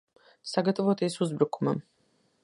Sagatavoties uzbrukumam!